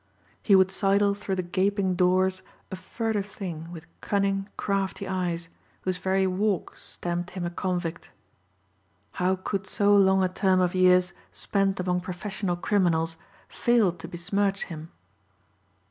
He would sidle through the gaping doors a furtive thing with cunning crafty eyes whose very walk stamped him a convict. How could so long a term of years spent among professional criminals fail to besmirch him?